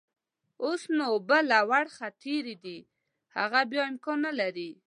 اوس نو اوبه له ورخ تېرې دي، هغه بيا امکان نلري.